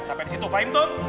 sampai disitu fahim tum